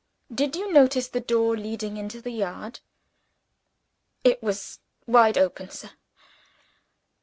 "Did you notice the door, leading into the yard?" "It was wide open, sir.